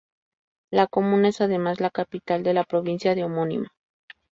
La comuna es además la capital de la provincia de homónima.